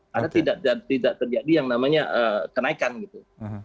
karena tidak terjadi yang namanya kenaikan gitu